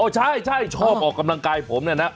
ใช่ชอบออกกำลังกายผมเนี่ยนะ